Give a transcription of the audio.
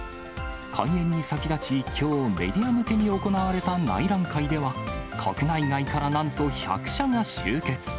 開園に先立ち、きょう、メディア向けに行われた内覧会では、国内外からなんと１００社が集結。